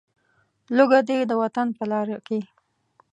لوږه دې د وطن په لاره کې.